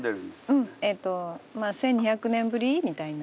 うんえっとまあ１，２００年ぶりみたいな。